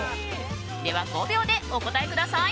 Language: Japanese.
では、５秒でお答えください。